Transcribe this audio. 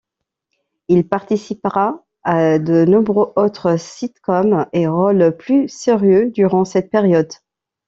Il participera à de nombreux autres sitcoms et rôle plus sérieux durant cette période.